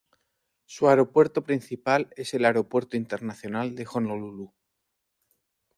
Su aeropuerto principal es el Aeropuerto Internacional de Honolulu.